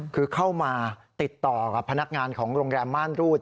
คือเข้ามาติดต่อกับพนักงานของโรงแรมม่านรูด